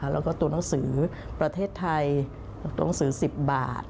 และหนังสือประเทศไทยหนังสือ๑๐บาท